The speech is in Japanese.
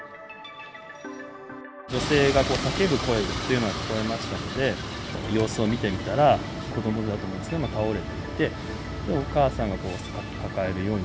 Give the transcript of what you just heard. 女性が叫ぶ声というのが聞こえましたので、様子を見てみたら、子どもだと思うんですね、倒れていて、お母さんが抱えるように。